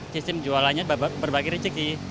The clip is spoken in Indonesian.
sistem jualannya berbagi rezeki